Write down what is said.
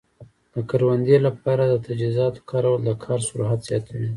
د کروندې لپاره د تجهیزاتو کارول د کار سرعت زیاتوي.